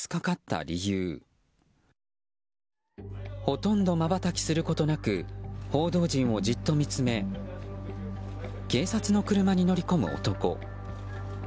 ほとんどまばたきすることなく報道陣をじっと見つめ警察の車に乗り込む男。